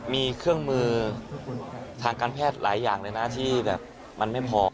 มีเครื่องมือทางการแพทย์หลายอย่างเลยนะที่แบบมันไม่พอ